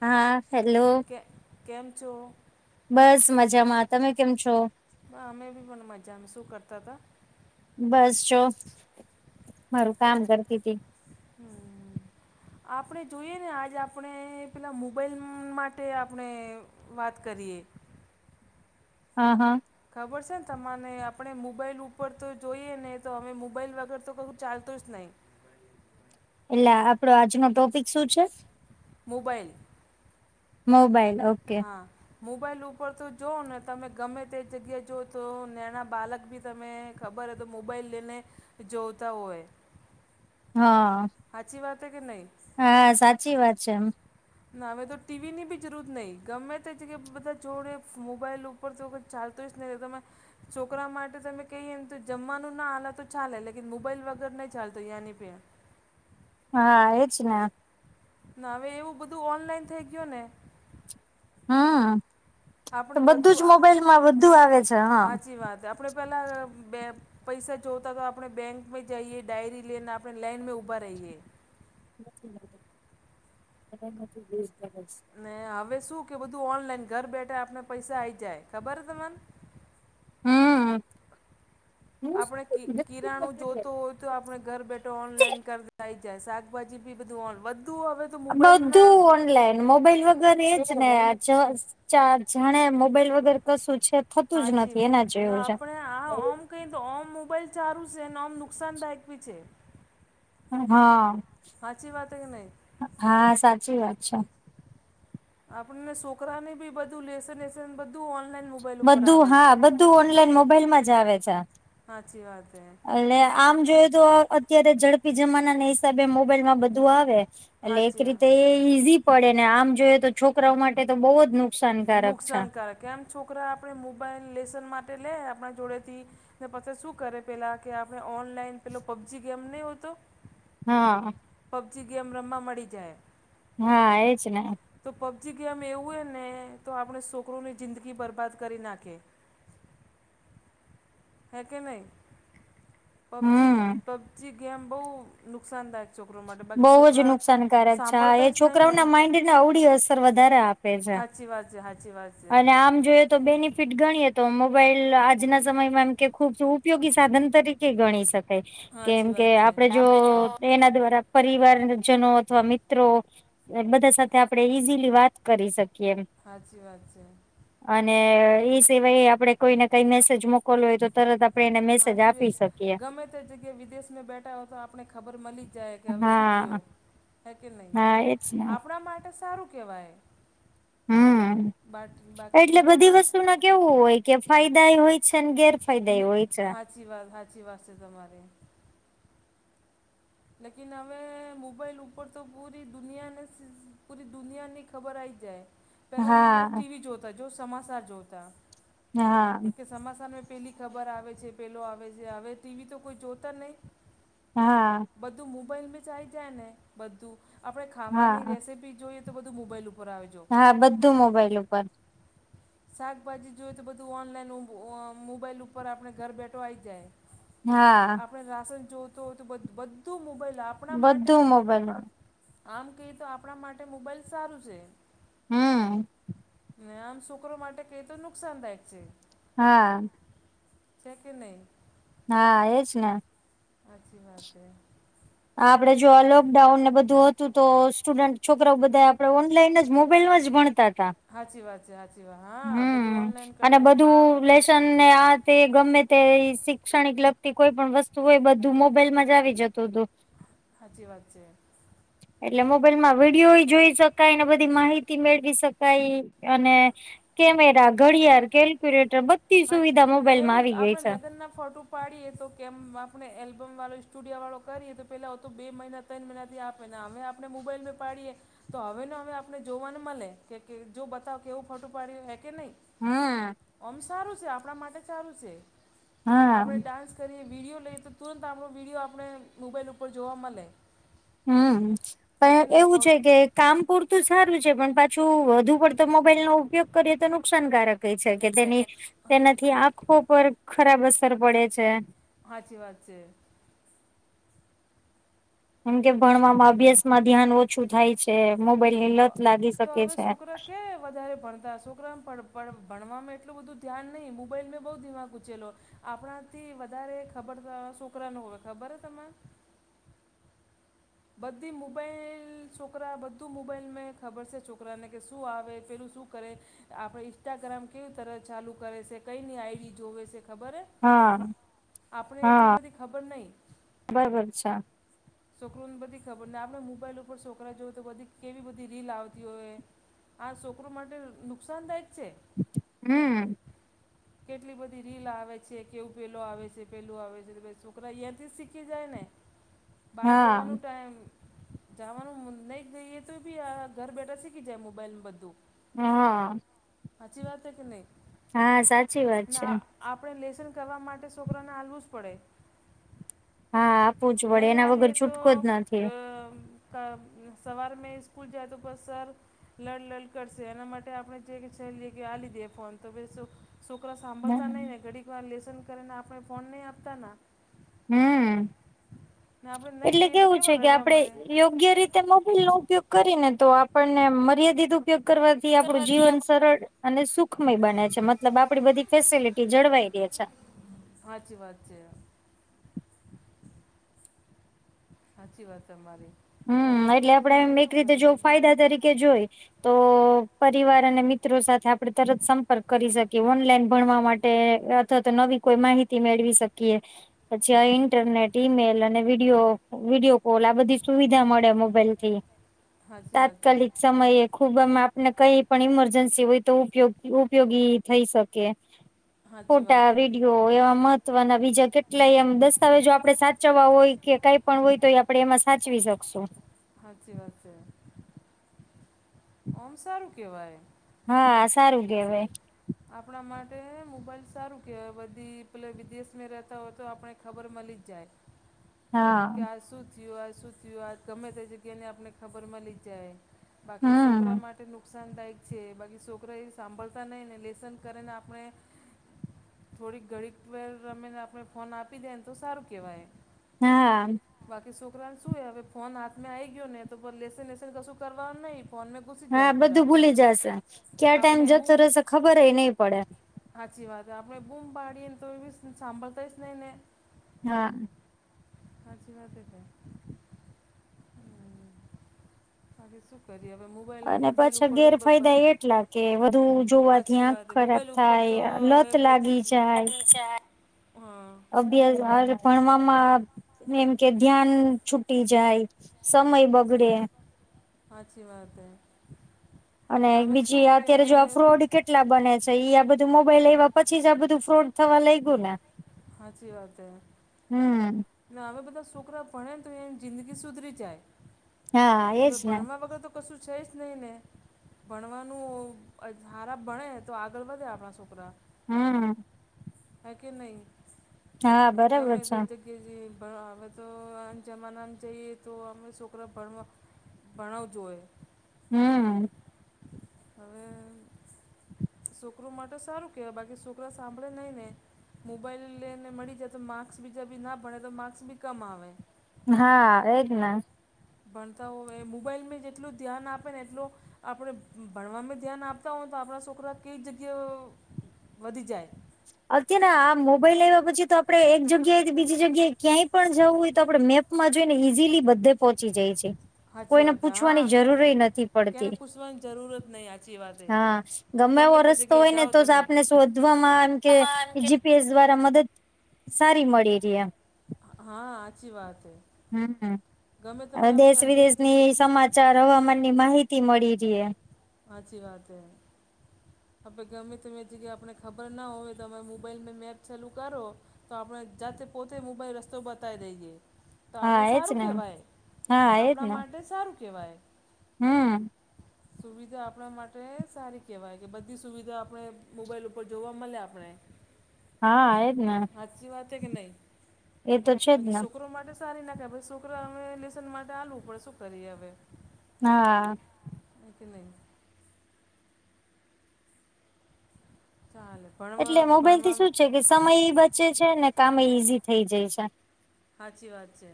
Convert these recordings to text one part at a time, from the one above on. હા હેલો. કે કેમ છો બસ મજામાં. તમે કેમ છો? અમે બી પણ મજામાં શું કરતા હતા બસ જો. મારું કામ કરતીતી. હમ્મ આપણે જોઈએને આજ આપણે પેલા મોબઈલ માટે આપણે. વાત કરીએ. હા હા. ખબર સેને તમાને આપણે મોબાઈલ ઉપર તો જોઈએને તો અમે મોબાઈલ વગર તો કહું ચાલતું જ નહીં. એટલે આપડો આજનો ટોપિક શું છે? Mobile mobile okay. હા. મોબાઈલ ઉપર તો જોઓને તમે ગમે તે જગ્યાએ જોઓ તો નેના બાલક બી તમે ખબર એતો મોબાઈલ લઈને જોતા હોય. હા. હાચી વાત હે કે નહી. હા સાચી વાત છે એમ ના હવે તો ટીવીની બી જરૂરત ન‌ઈ ગમે તે જગ્યે બધા જોડે મોબાઈલ ઉપ ઉપર જેવુ તો ચાલતો જ નહી તમે સોકરા માટે તમે કહી એમ તો જમવાનું ના આલે તો ચાલે લેકિન મોબાઈલ વગર નહી ચાલતું યાની પે હા એજ ને. ના હવે એવું બધું ઓનલાઈન થઈ ગયું ને. હા બધું જ મોબાઈલમાં બધું આવે છે. હા. સાચી વાત આપણે પેલા બે પૈસા જોવતા તો આપણે બેંકમાં જઈએ ડાયરી લઈને આપણે લેઈનમાં ઊભા રહીએ. [unintelligible] ને હવે શું કે બધું ઓનલાઈન ઘર બેઠા આપને પૈસા આઈ જાય ખબર હે તમને? હમ આપણે કિરાણું જોતો હોય તો આપણે ઘર બેઠો ઓનલાઈન કરતાઈ જાય સાક. ભાજી બી બધું વધુ આવે. બધું ઓનલાઈન મોબાઈલ વગર એજને. ચાર જાણે મોબાઈલ વગેર કશું છે થતું જ નથી એના જેવું છે. હા ઓમ કહીન તો ઓમ મોબાઈલ ચારુ સે અને ઓમ નુકસાનદાયક બી છે. પણ હા. સાાચી વાત હે કે નય? હા સાચી વાત છે. આપણને સોકરાને બી બધું લેસનવેસન બધું. ઓનલાઈન મોબાઈલ ઉપર બધું આવે છે હા બધું ઓનલાઈન મોબાઈલમાં જ આવે છે. હાચી વાત. હે અને તો આમ જોઈએ તો અત્યારે ઝડપી જમાનાના હિસાબે મોબાઈલમાં બધું આવે. એટલે સાચી એક રીતે વાત એ ઈઝી પડે ને આમ જોઈએ તો છોકરાઓ માટે તો બહુ જ નુ નુકસાનકારક કેમ છોકરા આપણે મોબાઈલ લેશન માટે લેય આપણા જોડેથી પછે શું કરે પેલા કે આપણે ઓનલાઈન પેલો પબજી ગેમ નહીં હોતો હા. પબજી ગેમ રમવા મળી જાય. હા એજ ને. તો પબજી ગેમ એવું હે ને તો આપણે છોકરોની જિંદગી બરબાદ કરી નાખે. હે કે નહી પબજી હમ પબજી ગેમ બહુ નુકસાનદાયક. છોકરો માટે બહુ બાકી જ છોકરા નુકસાનકારક છે હા સાંભળતા એ જ નહીં ને છોકરાઓના માઈન્ડ ને અવડી અસર વધારે આપે છે. હાચી વાત છે હાચી વાત છે. અને આમ જોએ તો બેનિફિટ ગણી તો મોબાઈલ આજના સમયમાં એમ કે. ખૂબ ઉપયોગી સાધન તરીકે ગણી શકાય સાચી કેમ કે વાત છે આપડે જો. એના દ્વારા પરિવારજનો અથવા મિત્રો. બધા સાથે આપડણે ઈઝીલી વાત કરી શકીએ એમ. હાચી વાત છે. અને એ સિવાય આપડે કોઈ ને કઈ મેસેજ મોક. મોકોલો હોય તો તરત આપણે એને મેસેજ સાચી આપી વાત શકીએ. ગમે તે જગ્યા એ વિદેશમાં બેઠા હોય તો આપણે ખબર મળીજ જાય કે હવે શું હા થયું. હ કે નહીં હા એજ ને આપણા માટે સારું કહેવાય. હમ બાકી એટલે છોકરા બધી માટે વસ્તુના. કેવું હોય કે ફાયદા એ હોય છે ને ગેરફાયદા એ હોય છે. હાચી વાત હાચી વાત છે તમારી. લેકિન અમે મોબાઈલ ઉપર તો પૂરી દુનિયાને સ પૂરી દુનિયાને. ખબર આવી જાય પહેલાં માણસ હા ટીવી જોતા જો સમાચાર જોતા. હા. કે સમાચારમાં પેલી ખબર આવે છે પેલો આવે છે હવે ટીવી તો કોઈ જોતા જ નહીં. હા. બધું મોબાઈલ બી ચાઇ જાય ને બધું આપણે ખાવાની હા રેસીપી. જોઈએ તો બધુ મોબાઈલ ઉપર આવે જો. હા બધું મોબાઈલ ઉપર. શાકભાજી જોઈએ તો બધું ઓનલાઈન ઓઆમ મોબાઈલ ઉપર આપણે ઘર બેઠો આવી જાય. હા. આપણે રાસન જોતો હોય તો બઘુ બધું મોબાઈલ આપણા માટે. બધું મોબાઈલ આમ કહીએ તો આપણા માટે મોબાઈલ સારું છે. હમ. ને આમ છોકરો માટે કઈ તો નુકસાનદાયક છે. હા. છે કે નહી. હા એજ ને. હાચી વાત હૈ. આપડે જો આ લોકડાઉન ને બધું હતું તો સ્ટુડન્ટ છોકરાઓ બધા આપડે ઓનલાઈનજ. મોબાઈલમાં જ ભણતા હતા. સાાચી વાત છેી સાચી વાત હા બધું ઓનલાઈન કરતા બા. શિક્ષણ ને આ તે ગમે તે શિક્ષણિક લગતી કોઈ પણણ વસ્તુ હોય બધું મોબાઈલમાં જ આવી જતું હતું. હાચી વાત છે. એટલે મોબાઈલ માં વિડીયો એ જોઈ શકાય ને બધી માહિતી મેળવી શકાય. અને કેમેરા ઘડિયાળ કેલ્ક્યુલેટર બધી સુવિધા મોબાઈલ માં આવી ગઈ છે. તેના ફોટો. ઉપ પાડીએ તો કેમ આપણે એલ્બમ વાળો સ્ટુડિયો વાળો કરીએ તો પેલા હો તો બે મહિના. આપે ના આપને મોબાઈલ પ પાડીએ. તો હવે ને હવે આપને જોવાનું મળે કે જો બતાવ કેવું ફોટું પાડ્યું હે કે નહીં. હા [inaudible] આમ સારું છે આપણા માટે સારું છે હા આપડ ડાન્સ કરીએ વિડીયો લઈએ તો તુરંત આપણો વિડીિયો આપણે મોબાઈલ ઉપર જોવા મળે- હમ હે કે પણ નહીં એવું ફોટ છે કે કામ પૂરતું સારું છે પણ- શું વધુ પડતો મોબાઈલ નો ઉપયોગ કરીએ તો નુકસાનકારક- કે છે કે તેની તેનાથી હા આંખો પર ખરાબ અસર પડે છે. સાચી વાત છે. કેમ કે ભણવામાં અભ્યાસ માં ધ્યાન ઓછું થાય છે. તે મોબાઈલ ની- તો લત લાગી તો શકે હવે છે છોકરા કે વધારે ભણતા હશો- પણ ભણવામાં એટલું બધું ધ્યાન નહીં મોબાઈલ બહુ દિમાગ ઉંચેલો- આપણાથી વધારે ખબર છોકરાને હોય ખબર હે તમને- બધી મોબાઈલ છોકરા બધું મોબાઈલ મેં ખબર છે છોકરાને કે શું આવે પેલું શું કરે- આપણે ઇન્સ્ટાગ્રામ કેવી તર ચાલુ કરે છે કઈની આઈડી જોવે છે ખબર હે- હા આપણે એટલી બધી ખબર નહી. બરાબર છે. છોકરોને બધી ખબર ને આપણે મોબાઈલ ઉપર છોકરા જોએ તો બધી કેવી બધી રીલ આવતી હોય. આ છોકરું માટે નુકસાનદાયક છે. હમ [inaudible] કેટલી બધી રીલ આવે છે કેવું પેલો આવે છે પેલું આવે છે છોકરા અહીંયા થી શીખી જાય ને [inaudible] હા તેમ જવાનું નહી જઈએ તો ભી આ ઘર બેઠા શીખી જઇએ મોબાઈલ ને બધું- હા હચ વાતે કેને હા સાચી વાત છે. આપણે લેસન કરવા માટે છોકરાને આલવું જ પડે હા આપવું જ પડે એના વગર છૂટકો જ નથી તો ક સવાર મે સ્કૂલ જાય તો બસ સર લડ લડ કરશે એના માટે આપણે જે કે છેલીએ કે આલી દઈએ ફોન બીજું તોં સુ છોકરા સાંભળતા નહીિ ને ઘડીક વાર લેસન કરીને આપણે ફોન નહીં આપતા ને- હમ ના આપડે નઈ- એટલે કેવું છે કે આપડે- યોગ્ય રીતે મોબાઈલ નો ઉપયોગ કરીને તો આપણને મર્યાદિત ઉપયોગ કરવા- થી આપડું જીવન સરળ અને સુખમય બને છે મતલબ આપડી બધી ફેસિલિટી જળવાઈ રે છે. હાચી વાત છે. [inaudible] [inaudible] સાચી વાત છે તમારી- બાકી [unintelligible] એટલે આપડે છોકરોને એમ હવે એક શું રીતે કરે જોવ બધું ફાયદા તરીકે જોઈ તો પરિવાર અને મિત્રો સાથે આપણે તરત સંપર્ક કરી શકીએ ઓનલાઈન ભણવા માટે- અથવા તો નવી કોઈ માહિતી મેળવી શકીએ- પછી અ ઇન્ટરનેટ ઈમેલ અને વિડીયો વિડીયો કોલ આ બધી સુવિધા મળે મોબાઈલથી સાચી વાત છે તાત્કાલિક સમયે ખુબ આમ કઈ પણ ઈમરજન્સી હોય તો ઉપયોગ ઉપયોગી થઈ શકે સાચી ફોટા વાત છે વિડીયો એવા મહત્વના બીજા કેટલાય એમ દસ્તાવેજો આપડે સા ચવા હોય કે કઈ પણ હોય તો આપડે એમાં સાચવી શકશું. હાચી વાત છે. ઓમ સારું કેવાય હા સારું કેેવાય. આપણા માટે મોબાઈલ સારું કેવાય બધી પેલે વિદેશ મેં રેતા હોય તો આપણે ખબર મલી જ જાય. હા કે આ શું થયું આ શું થયું આ ગમે તે જગ્યા ને આપને ખબર મલી જાય. બાકી સોકરા હમ માટે નું મેંસાનદાયક છે બાકી છોકરા એ સાંભળતા નહીં ને લેસન કરીને આપણે થોડીક ઘડીક વેર રમી આપણે ફોન આપી દેન તો સારું કેવાય. ના આ બાકી સોકરાને શું હવે ફોન હાથમેં આઈ ગ્યો ને તો લેસન વેસન કશું કરવાનું નહી ફોન મેં હા બધું ભૂલી જશે ક્યા ટાઈમ આપણે જતો રેશે ખબરએ નય પડે. હાચી વાત આપણે બૂમ પાડીએ ને તો એ બી સાંભળતા ઇસ નઈ ને. હા. સાચી વાત એ કે હમ્મ અને પાછા ઉપર તો બ- બ- ગેરફાયદા એટલા કે વધુ જોવાથી સાચી આંખ વાત હે ખરાબ મોબાઈલ ઉપર તો થાય, લત હવે બધી લાગી જાય. જ હા અભ્યા [unintelligible] ભણવામાં એમ કે ધ્યાન છૂટી જાય સમય બગડે હાચી વાત હે. અને ને હવે બીજી શું કે અત્યારે જો આ ફ્રોડ કેટલા બને છે ઈ આ બધું મોબાઈલ આયવા પછી જ આ બધું ફ્રોડ થવા લાઈ ગુ ને હાચી વાત હે. હમ ના હવે બધા છોકરા ભણે ને તો એ જિંદગી સુધરી જાય હા હવે એજ ને ભણવા વગર તો કશું છે જ નહીં ને ભણવાનું હારા ભણે તો આગળ વધે આપણા છોકરા હમ્મ. કારકે નહી હા બરાબર ગમે તે છે જગ્ કે જે હવે તો જમાનામાં જઈએ તો ઓમે સોકરા ભણવા ભણાઉ જોએ. હમ્મ. હવે સોકરો માટે સારું કેવાય બાકી સોકરા સાંભળે નહી ને મોબાઈલ એને મળી જાય તો માર્ક્સ બીજા બી ના ભણે તો માર્ક્સ બી કમ આવે. હા એજ ને. ભણતા હોય એ મોબાઈલ મે જેટલું ધ્યાન આપે ને એટલું આપણે ભણવામાં ધ્યાન આપતા હોય તો આપણા છોકરા કઈક જગ્યા વધી જાય. અત્યારેના આ મોબાઈલ આયવા પછી તો આપડે એક જ ગ્યા થી બીજી જગ્યાએ ક્યાંય પણ જવું હોય તો આપણે મેપમાં જોઈ ને ઈઝીલી બધે પહોંચી જાય છે સાચી કોઈને વાત પૂછવાની હા મેં જરૂરે નથી પડતી ક્યાંને પૂછવાની જરૂર જ નહીં સાચી વાતે હા ગમે ગમેએવો તે રસ્તો જગ્યાએ હોય ને જાઓ તો તમે આપને શોધવામા કે જી. પી. એસ. દ્વારા મદદ સારી મળીરિઅ હા હાચી વાત હે હમ હમ ગમે તમે હવે આપણે દેશ અંધેરી વિદેશની જગ્યા સમાચાર હવામાનની માહિતી મળી રે. હાચી વાત હૈ. આપે ગમે તમે જગ્યાએ આપને ખબર ના હોય તમે મોબાઈલમાં મેપ ચાલુ કરો. તો આપણે જાતે પોતે મોબાલ રસ્તો બતાઈ દઈએે. તો હા આપણે એજ સારું ને કેવાય હા આપણા માટે સારું કેવાય હમ્મ. સુવિધા આપણા માટે સારી કહેવાય કે બધી સુવિધા આપણે મોબાઈલ ઉપર જોવા મલે આપણે હા એજ ને હાચી વાત કે નઈ એ તો છે જ પહિ ને સોકરો માટે ઉતારી નાખાય છોકરા અમે લેસન માટે આલવું પડ શું કરીએ હવે. હા. નથી કે નહીં. ચાલે એટલે ભણમાં મોબાઈલ થી ભણવા. શું છે સમય એ બચે છે ને કામ એ ઈઝી થઈ જાય છે. હાચી વાત છે.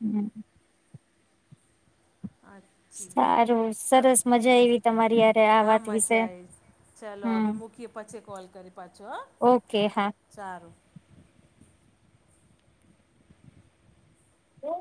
હમ. હા. સારું સરસ મજા એવી તમારી યારે આ વાત વિશે. ચલો હમ હવે મૂકીએ પછી કોલ કરી પાછો હા ઓકે હા. સારું. ઓ.